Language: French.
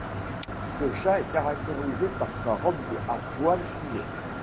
Ce chat est caractérisé par sa robe à poils frisés.